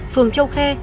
phường châu khê